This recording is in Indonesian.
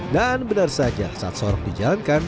dan benar saja saat sorok dijalankan